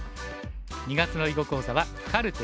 ２月の囲碁講座は「カルテ⑤」。